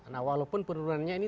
nah walaupun penurunannya ini